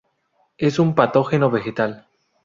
Es un patógeno vegetal.